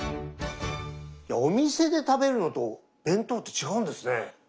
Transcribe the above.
お店で食べるのと弁当って違うんですね。ね。